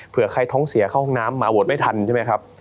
ใครท้องเสียเข้าห้องน้ำมาโหวตไม่ทันใช่ไหมครับ